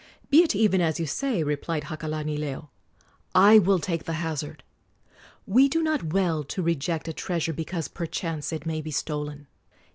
"Be it even as you say," replied Hakalanileo, "I will take the hazard. We do not well to reject a treasure because, perchance, it may be stolen.